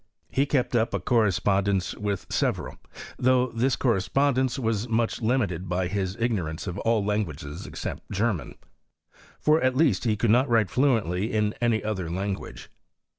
He kept up a correspondence with several ; though this cor respondence was much limited by his ignorance of all languages except German ; for at least he could not write fluently in any other language.